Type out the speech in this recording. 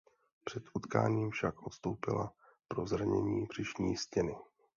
Před utkáním však odstoupila pro zranění břišní stěny.